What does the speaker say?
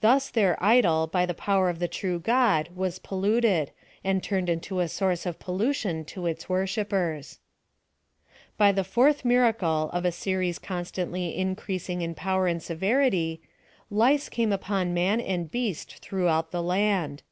Thus tiieir idol, by the power of the true God was pollu ted, and turned into a source of pollution to its worshippers. By the fourth miracle of a series constantly in creasing in power and severity, lice came upon mai) PLAN OP SALVATION. t?7 and oeast throughout the land.